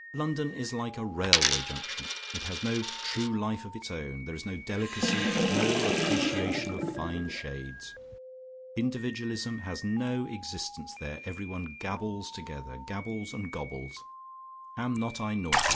London is like a railway junction: it has no true life of its own. There is no delicacy, no appreciation of fine shades. Individualism has no existence there; everyone gabbles together, gabbles and gobbles: am not I naughty?